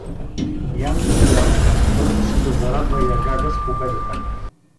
Ян Бибиян бързаше да зарадва Ягага с победата.